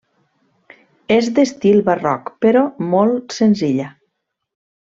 És d'estil barroc però molt senzilla.